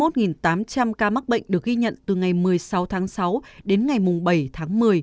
trong số sáu mươi một tám trăm linh ca mắc bệnh được ghi nhận từ ngày một mươi sáu tháng sáu đến ngày bảy tháng một mươi